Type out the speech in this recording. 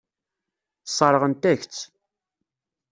Sseṛɣent-ak-tt.